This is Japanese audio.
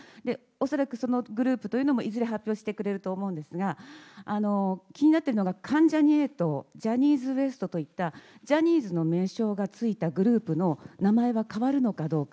恐らくそのグループというのもいずれ発表してくれると思うんですが、気になっているのが関ジャニ∞、ジャニーズＷＥＳＴといった、ジャニーズの名称が付いたグループの名前は変わるのかどうか。